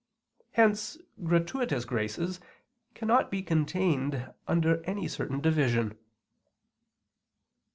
Hence gratuitous graces cannot be contained under any certain division.